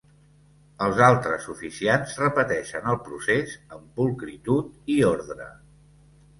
Els altres oficiants repeteixen el procés amb pulcritud i ordre.